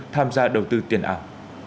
tham gia đầu tư tiền ảo